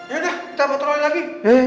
yaudah kita patroli lagi